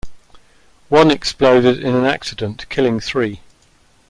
One exploded in an accident, killing three.